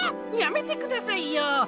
やめてくださいよ